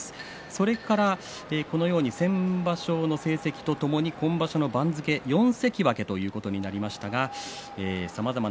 それから先場所の成績とともに今場所の番付４関脇ということになりました。